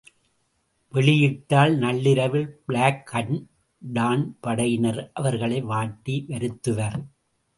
வெளியிட்டால் நள்ளிரவில் Black and Tan படையினர் அவர்களை வாட்டி வருத்துவர்.